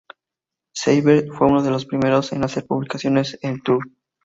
Seibert fue uno de los primeros en hacer publicaciones en Tumblr.